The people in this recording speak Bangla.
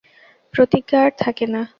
প্রতিজ্ঞা আর থাকে না।